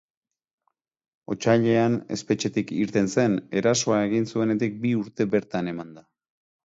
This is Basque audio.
Otsailean espetxetik irten zen, erasoa egin zuenetik bi urte bertan emanda.